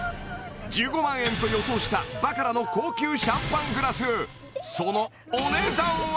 １５万円と予想したバカラの高級シャンパングラスそのお値段は？